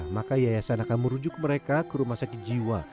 maka yayasan akan merujuk mereka ke rumah sakit jiwa